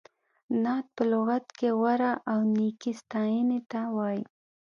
نعت په لغت کې غوره او نېکې ستایینې ته وایي.